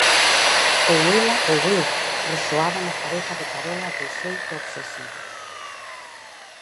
"Ou ela ou eu" resoaba na cabeza de Carola de xeito obsesivo.